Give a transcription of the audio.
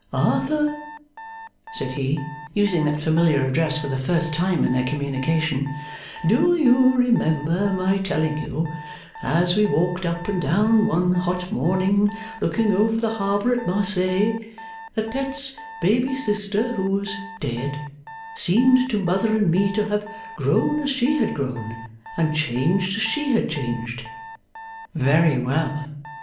'Arthur,' said he, using that familiar address for the first time in their communication, 'do you remember my telling you, as we walked up and down one hot morning, looking over the harbour at Marseilles, that Pet's baby sister who was dead seemed to Mother and me to have grown as she had grown, and changed as she had changed?' 'Very well.